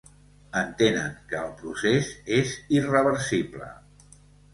Entenen que el procés és irreversible.